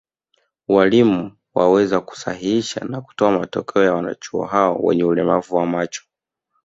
Walimu waweze kusahihisha na kutoa matokeo ya wanachuo hao wenye ulemavu wa macho